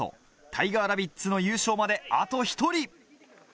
タイガーラビッツの優勝まであと１人。